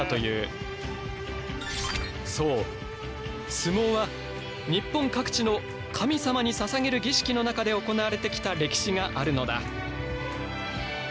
相撲は日本各地の神様にささげる儀式の中で行われてきた歴史があるのだ。